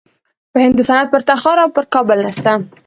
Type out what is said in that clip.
په هند و سند و پر تخار او پر کابل نسته.